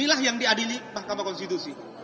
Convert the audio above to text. inilah yang diadili mahkamah konstitusi